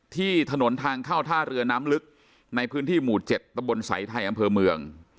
ที่ถนนทางเข้าท่าเรือน้ำลึกในพื้นที่หมู่๗ตะบนสายไทยอำเภอเมือง